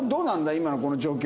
今のこの状況は。